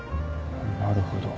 なるほど。